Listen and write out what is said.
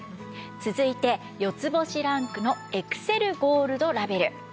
続いて４つ星ランクのエクセルゴールドラベル。